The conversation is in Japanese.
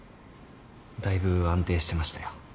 だいぶ安定してましたよ。